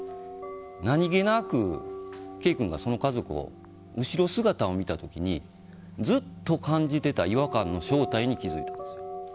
何気なくＫ君がその家族の後ろ姿を見た時にずっと感じてた違和感の正体に気づいたんです。